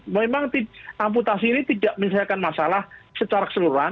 memang amputasi ini tidak menyelesaikan masalah secara keseluruhan